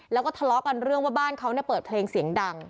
แล้วก็ทะเลาะกันเรื่องว่าบ้านเขาเปิดเพลงเสียงดัง